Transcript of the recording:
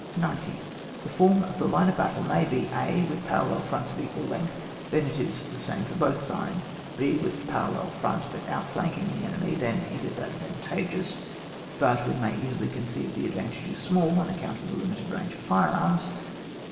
90. The form of the line of battle may be :— a. With parallel fronts of equal length; then it is the same for both sides. b. With parallel front, but out flanking the enemy: then it is advan tageous (but, as we may easily conceive, the advantage is small, on account of the limited range of fire arms).